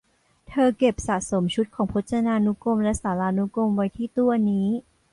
เธอเก็บสะสมชุดของพจนานุกรมและสารานุกรมไว้ที่ตู้อันนี้